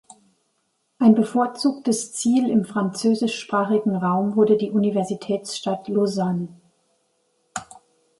Ein bevorzugtes Ziel im französischsprachigen Raum wurde die Universitätsstadt Lausanne.